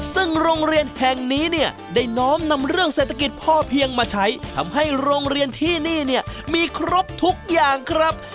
ซึ่งโรงเรียนแห่งนี้เนี่ยได้น้อมนำเรื่องเศรษฐกิจพ่อเพียงมาใช้ทำให้โรงเรียนที่นี่เนี่ยมีครบทุกอย่างครับ